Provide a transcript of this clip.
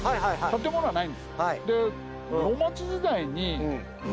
建物はないんです。